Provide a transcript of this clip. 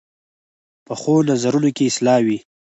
پخو نظرونو کې اصلاح وي